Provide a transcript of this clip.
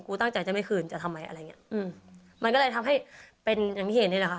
ตั้งใจจะไม่คืนจะทำไมอะไรอย่างเงี้ยอืมมันก็เลยทำให้เป็นอย่างที่เห็นนี่แหละค่ะ